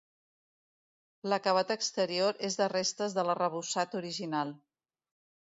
L'acabat exterior és de restes de l'arrebossat original.